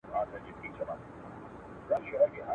جاله هم سوله پر خپل لوري روانه.